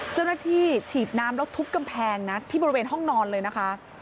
เจ้าหน้าที่ฉีดน้ำและทุบกำแพงที่บริเวณห้องนอนเลยนะคะ